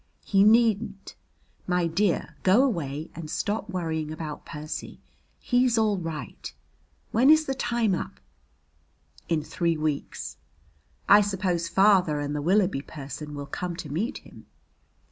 "He needn't. My dear, go away and stop worrying about Percy he's all right. When is the time up?" "In three weeks." "I suppose father and the Willoughby person will come to meet him?"